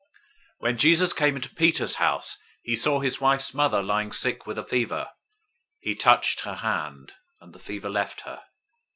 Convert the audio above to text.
008:014 When Jesus came into Peter's house, he saw his wife's mother lying sick with a fever. 008:015 He touched her hand, and the fever left her.